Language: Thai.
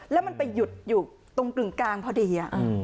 แล้วมันไปหยุดตรงตรึงกลางพอดี